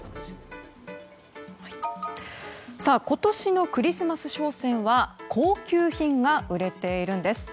今年のクリスマス商戦は高級品が売れているんです。